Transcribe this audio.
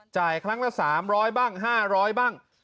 ครั้งละ๓๐๐บ้าง๕๐๐บ้าง